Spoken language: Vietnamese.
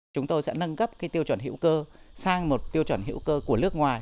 chúng tôi sẽ nâng cấp cái tiêu chuẩn hiệu cơ sang một tiêu chuẩn hiệu cơ của nước ngoài